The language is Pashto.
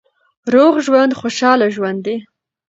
روغ ژوند خوشاله ژوند دی.